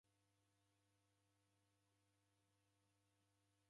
Mwaluma waendie hao?